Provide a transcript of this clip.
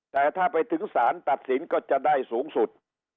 แต่ถ้าไปถึงสารตัดสินก็จะได้สูงสุด